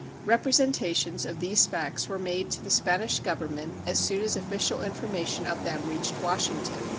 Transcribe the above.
Representations of these facts were made to the Spanish Government as soon as official information of them reached Washington.